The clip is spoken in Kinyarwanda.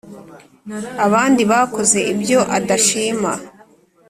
abandi bakoze ibyo adashima